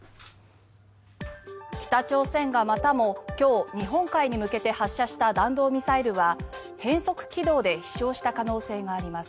北朝鮮がまたも今日、日本海に向けて発射した弾道ミサイルは変則軌道で飛翔した可能性があります。